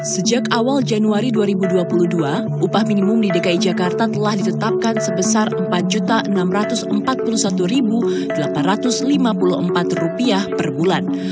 sejak awal januari dua ribu dua puluh dua upah minimum di dki jakarta telah ditetapkan sebesar rp empat enam ratus empat puluh satu delapan ratus lima puluh empat per bulan